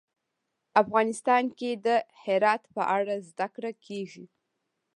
افغانستان کې د هرات په اړه زده کړه کېږي.